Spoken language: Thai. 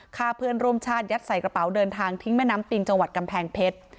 ฆ่าเพื่อนร่วมชาติยัดใส่กระเป๋าเดินทางทิ้งแม่น้ำปิงจังหวัดกำแพงเพชร